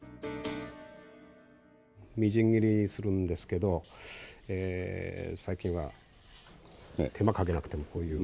みじん切りにするんですけど最近は手間かけなくてもこういう。